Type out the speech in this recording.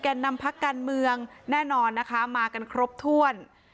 นำพักการเมืองแน่นอนนะคะมากันครบถ้วน